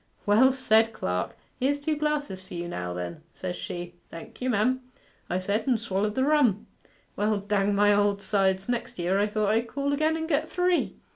"Well said, clerk! Here's two glasses for you now, then," says she. "Thank you, mem," I said, and swallered the rum. Well, dang my old sides, next year I thought I'd call again and get three.